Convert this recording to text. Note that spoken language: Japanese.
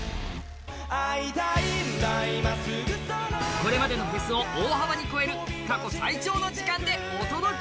これまでのフェスを大幅に超える過去最長の時間でお届け。